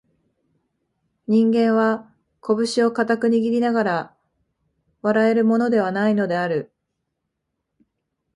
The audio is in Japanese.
人間は、こぶしを固く握りながら笑えるものでは無いのである